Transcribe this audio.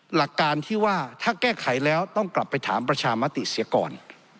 หลักการที่ว่าถ้าแก้ไขแล้วต้องกลับไปถามประชามติเสียก่อน